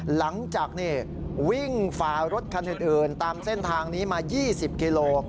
หลังจากวิ่งฝารถคันอื่นตามเส้นทางนี้มา๒๐กิโล